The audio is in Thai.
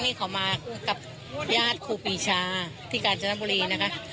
นี่เขามากับญาติครูปีชาที่กาญจนบุรีนะคะ